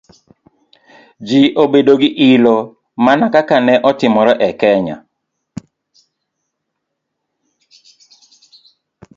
ji obed gi ilo, mana kaka ne otimore e Kenya